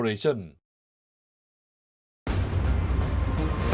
โอลี่คัมรี่ยากที่ใครจะตามทัน